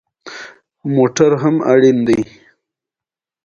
ددې تیږې په اړه ویل کېږي.